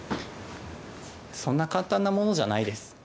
そんな簡単なものじゃないです。